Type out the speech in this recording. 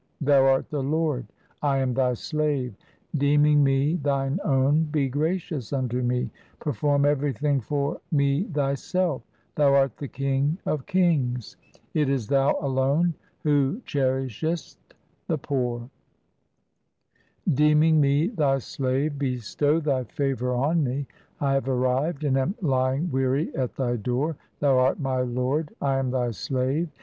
Thou art the Lord, I am Thy slave. Deeming me Thine own, be gracious unto me ; Perform everything for me Thyself ; Thou art the King of kings ; It is Thou alone who cherishest the poor ; Deeming me Thy slave, bestow Thy favour on me ; I have arrived and am lying weary at Thy door. Thou art my Lord, I am Thy slave.